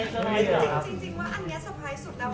จริงว่าอันนี้เซอร์ไพรส์สุดแล้ว